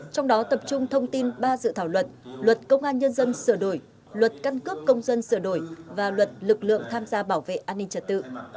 trong đó tập trung thông tin ba dự thảo luật luật công an nhân dân sửa đổi luật căn cước công dân sửa đổi và luật lực lượng tham gia bảo vệ an ninh trật tự